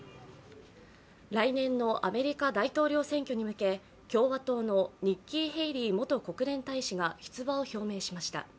来年のアメリカ大統領選挙に向け共和党のニッキー・ヘイリー元国連大使が出馬を表明しました。